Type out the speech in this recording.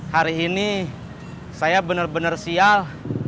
hari ini saya bener bener sial